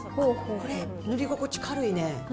これ、塗り心地軽いね。